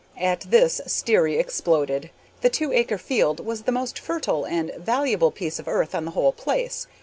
At that Sterry exploded. The two acre field was the most fertile and valuable piece of earth on the whole place.